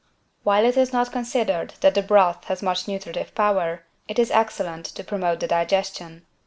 While it is not considered that the broth has much nutritive power, it is excellent to promote the digestion.